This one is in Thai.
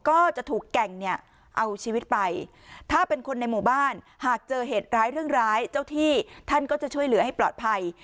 ก็จะถูกแก่งเนี่ยเอาชีวิตไปถ้าเป็นคนในหมู่บ้านหากเจอเหตุร้ายเรื่องร้ายเจ้าที่ท่านก็จะช่วยเหลือให้ปลอดภัย